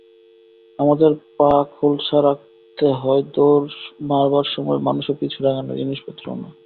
আমাদের পা খোলসা রাখতে হয়–দৌড় মারবার সময় মানুষও পিছু ডাকে না, জিনিসপত্রও না।